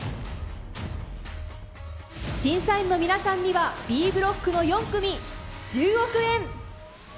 審査員の皆さんにはＢブロックの４組１０億円。